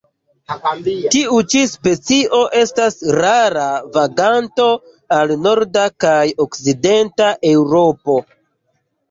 Tiu ĉi specio estas rara vaganto al norda kaj okcidenta Eŭropo.